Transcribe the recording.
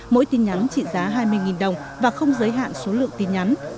mỗi tin nhắn trị giá hai mươi đồng và không giới hạn số lượng tin nhắn